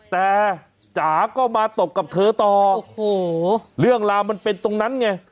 แต่จ๋าก็มาตบกับเธอต่อโอ้โหเรื่องราวมันเป็นตรงนั้นไง